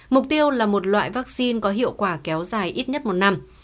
mục tiêu là một loại vaccine có hiệu quả kéo dài ít nhất một năm